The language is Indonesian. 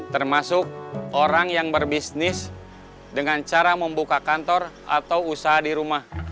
termasuk orang yang berbisnis dengan cara membuka kantor atau usaha di rumah